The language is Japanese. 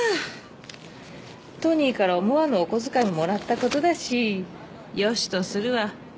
トニーから思わぬお小遣いももらったことだしよしとするわ。